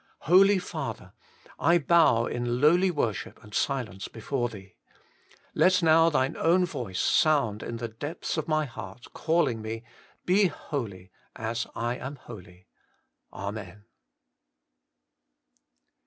Holy Father ! I bow in lowly worship and silence before Thee. Let now Thine own voice sound in the depths of my heart (Jailing me, Be holy, as I am "holy. Amen.